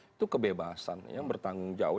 itu kebebasan yang bertanggung jawab